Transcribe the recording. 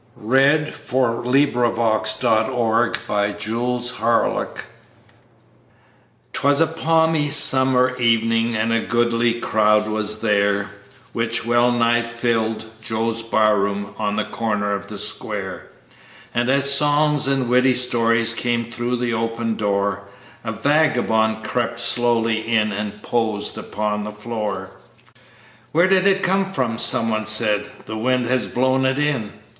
W X . Y Z The Face on the Barroom Floor 'TWAS a balmy summer evening, and a goodly crowd was there, Which well nigh filled Joe's barroom, on the corner of the square; And as songs and witty stories came through the open door, A vagabond crept slowly in and posed upon the floor. "Where did it come from?" someone said. " The wind has blown it in."